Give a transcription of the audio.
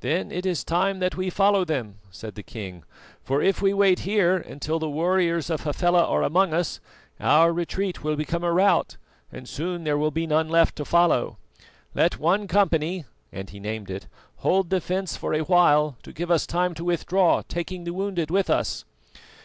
"Then it is time that we follow them," said the king, "for if we wait here until the warriors of Hafela are among us, our retreat will become a rout and soon there will be none left to follow. Let one company," and he named it, "hold the fence for a while to give us time to withdraw, taking the wounded with us."